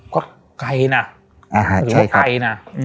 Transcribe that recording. ก็ไกลนะหรือไม่ไกลนะ